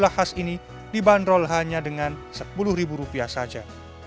dua bulah khas ini dibanderol hanya dengan rp sepuluh saja